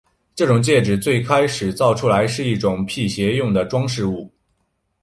这种戒指最开始造出来时是一种辟邪用的装饰物。